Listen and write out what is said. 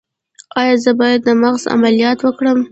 ایا زه باید د مغز عملیات وکړم؟